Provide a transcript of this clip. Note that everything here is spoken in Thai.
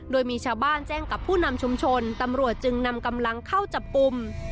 โดยมีชาวบ้านแจ้งกับผู้นำชุมชนตำรวจจึงนำกำลังเข้าจับกลุ่ม